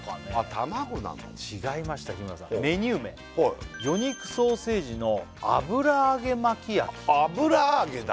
卵なんだ違いました日村さんメニュー名魚肉ソーセージの油揚げ巻き焼き油揚げだ！